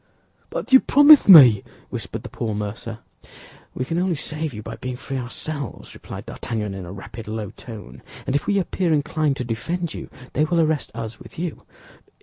"But you promised me—" whispered the poor mercer. "We can only save you by being free ourselves," replied D'Artagnan, in a rapid, low tone; "and if we appear inclined to defend you, they will arrest us with you."